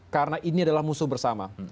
karena ini adalah musuh bersama